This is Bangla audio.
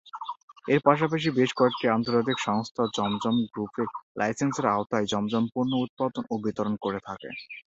এর পাশাপাশি বেশ কয়েকটি আন্তর্জাতিক সংস্থা জমজম গ্রুপের লাইসেন্সের আওতায় জমজম পণ্য উৎপাদন ও বিতরণ করে থাকে।